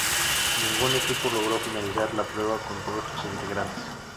Ningún equipo logró finalizar la prueba con todos sus integrantes.